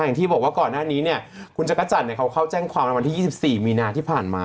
อย่างที่บอกว่าก่อนหน้านี้เนี่ยคุณจักรจันทร์เขาเข้าแจ้งความในวันที่๒๔มีนาที่ผ่านมา